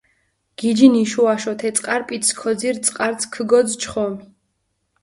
გიჯინ იშო-აშო თე წყარიპიცჷ, ქოძირჷ წყარცჷ ქჷგოძჷ ჩხომი.